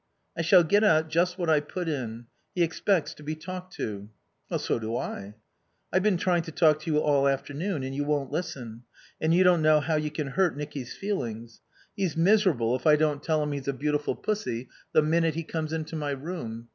"I shall get out just what I put in. He expects to be talked to." "So do I." "I've been trying to talk to you all afternoon and you won't listen. And you don't know how you can hurt Nicky's feelings. He's miserable if I don't tell him he's a beautiful pussy the minute he comes into my room.